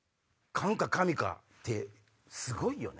缶か紙かってすごいよね。